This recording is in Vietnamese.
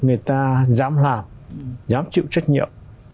người ta dám làm dám chịu trách nhiệm